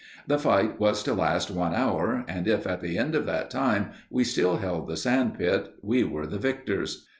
The fight was to last one hour, and if at the end of that time we still held the sand pit, we were the victors.